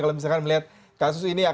kalau misalkan melihat kasus ini